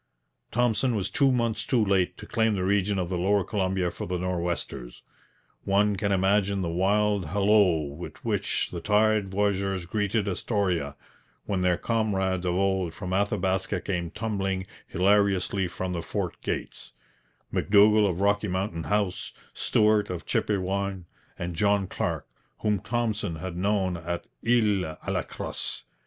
Thompson was two months too late to claim the region of the lower Columbia for the Nor'westers. One can imagine the wild halloo with which the tired voyageurs greeted Astoria when their comrades of old from Athabaska came tumbling hilariously from the fort gates M'Dougall of Rocky Mountain House, Stuart of Chipewyan, and John Clarke, whom Thompson had known at Isle à la Crosse.